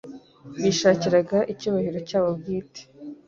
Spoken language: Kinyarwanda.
Bishakiraga icyubahiro cyabo bwite.